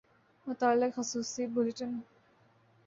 متعلق خصوصی بلیٹن